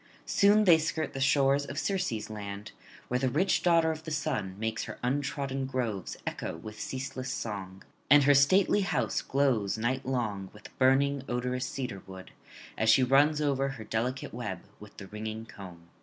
Soon they skirt the shores of Circe's land, where the rich daughter of the Sun makes her untrodden groves echo with ceaseless song; and her stately house glows nightlong with burning odorous cedarwood, as she runs over her delicate web with the ringing comb.